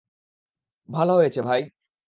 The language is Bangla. ভালো হয়েছে, ভাই।